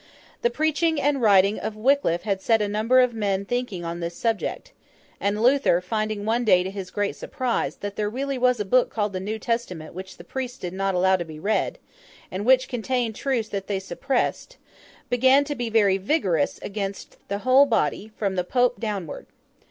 The preaching and writing of Wickliffe had set a number of men thinking on this subject; and Luther, finding one day to his great surprise, that there really was a book called the New Testament which the priests did not allow to be read, and which contained truths that they suppressed, began to be very vigorous against the whole body, from the Pope downward.